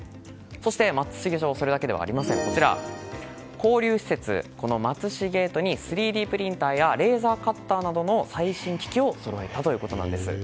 そして松茂町はそれだけではなく交流施設マツシゲートに３Ｄプリンターやレーザーカッターなどの最新機器をそろえたということです。